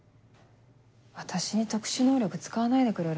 私に特殊能力使わないでくれる？